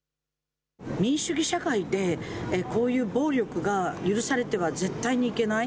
民主主義社会で、こういう暴力が許されては絶対にいけない。